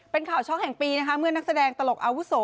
เป็นข่าวช่องแห่งปีนะคะเมื่อนักแสดงตลกอาวุโส